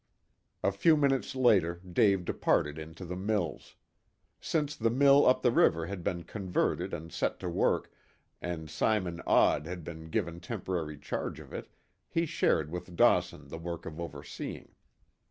A few minutes later Dave departed into the mills. Since the mill up the river had been converted and set to work, and Simon Odd had been given temporary charge of it, he shared with Dawson the work of overseeing.